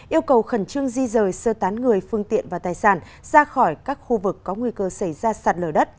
yêu cầu khẩn trương di rời sơ tán người phương tiện và tài sản ra khỏi các khu vực có nguy cơ xảy ra sạt lở đất